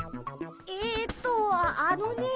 えっとあのね。